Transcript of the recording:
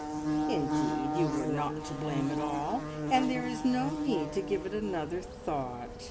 "Indeed you were not to blame at all, and there is no need to give it another thought.